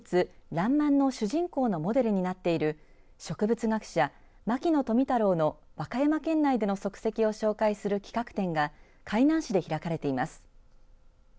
らんまんの主人公のモデルになっている植物学者、牧野富太郎の和歌山県内での足跡を紹介する企画展が海南市で開かれています。